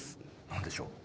何でしょう？